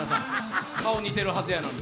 顔、似てるはずやのに。